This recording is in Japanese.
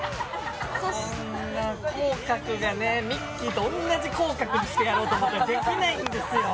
口角がミッキーと同じ口角にしようと思ったらできないんですよ。